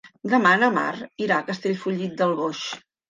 Demà na Mar irà a Castellfollit del Boix.